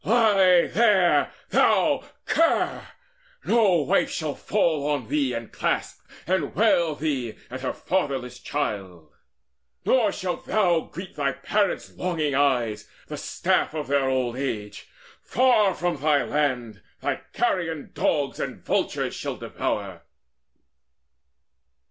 Lie there, thou cur! No wife shall fall on thee, And clasp, and wail thee and her fatherless childs, Nor shalt thou greet thy parents' longing eyes, The staff of their old age! Far from thy land Thy carrion dogs and vultures shall devour!"